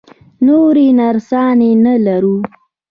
نورې نرسانې نه لرو؟